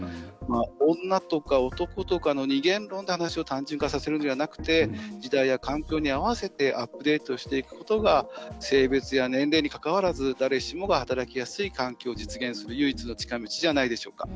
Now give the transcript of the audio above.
女とか男とかの二元論で問題を単純化させるんじゃなくて時代や環境に合わせてアップデートしていくことが性別や年齢にかかわらず誰しもが働きやすい環境を実現する唯一の近道じゃないでしょうか。